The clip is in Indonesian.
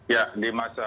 ya di masa